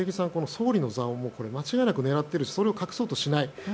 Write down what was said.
総理の座を間違いなく狙っているしそれを隠そうとしない。